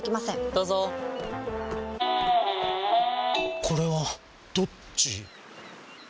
どうぞこれはどっち？